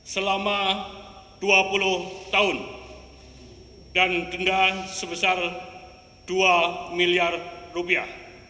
selama dua puluh tahun dan denda sebesar dua miliar rupiah